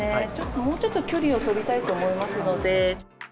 もうちょっと距離を取りたいと思いますので。